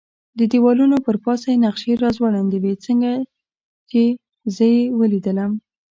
د دېوالونو پر پاسه یې نقشې را ځوړندې وې، څنګه چې یې زه ولیدلم.